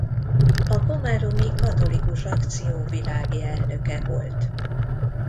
A komáromi Katolikus Akció világi elnöke volt.